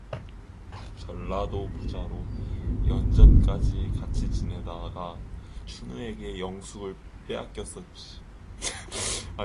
전라도 부자로 연전까지 같이 지내다가 춘우에게 영숙을 빼앗겼었지.